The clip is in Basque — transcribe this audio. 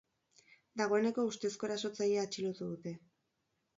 Dagoeneko ustezko erasotzailea atxilotu dute.